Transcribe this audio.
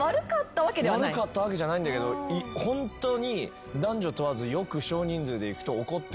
悪かったわけじゃないんだけどホントに男女問わずよく少人数で行くと。